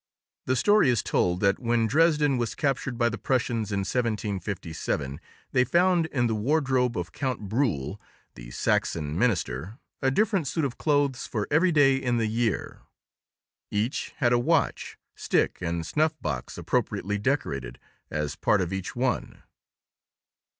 The story is told that when Dresden was captured by the Prussians in 1757, they found in the wardrobe of Count Bruhl, the Saxon Minister, a different suit of clothes for every day in the year; each had a watch, stick, and snuff box, appropriately decorated, as part of each one.